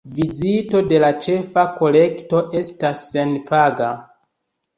Vizito de la ĉefa kolekto estas senpaga.